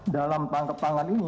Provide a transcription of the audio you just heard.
dalam tangkep tangan ini